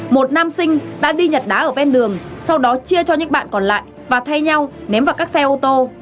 một nam sinh đã đi nhặt đá ở ven đường sau đó chia cho những bạn còn lại và thay nhau ném vào các xe ô tô